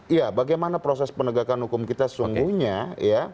iya bagaimana proses penegakan hukum kita sesungguhnya